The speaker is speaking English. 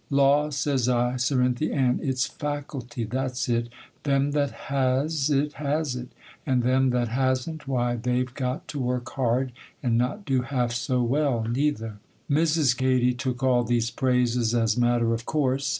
"Law," says I, "Cerinthy Ann, it's faculty,—that's it;—them that has it has it, and them that hasn't—why, they've got to work hard, and not do half so well, neither."' Mrs. Katy took all these praises as matter of course.